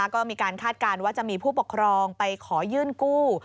ก็มีการคาดการณ์ว่าจะมีผู้ปกครองไปขอยื่นกู้